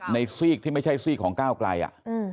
ซีกที่ไม่ใช่ซีกของก้าวไกลอ่ะ